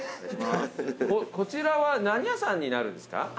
こちらは何屋さんになるんですか？